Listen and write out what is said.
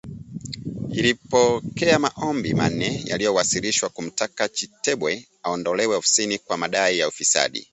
ilipokea maombi manne yaliyowasilishwa kumtaka Chitembwe aondolewe afisini kwa madai ya ufisadi